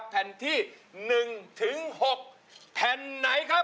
แผ่นที่หนึ่งถึงหกแผ่นไหนครับ